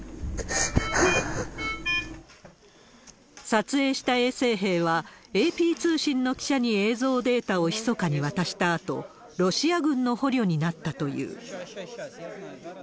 撮影した衛生兵は、ＡＰ通信の記者に映像データをひそかに渡したあと、ロシア軍の捕虜になったという。